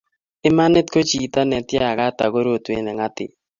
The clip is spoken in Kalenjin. Imanit ko chito ne itiakat ako rotwet ne ngatib